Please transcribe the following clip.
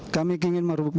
kami ingin mengundangkan